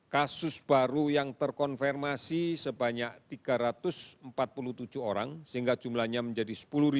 kasus baru yang terkonfirmasi sebanyak tiga ratus empat puluh tujuh orang sehingga jumlahnya menjadi sepuluh satu ratus delapan belas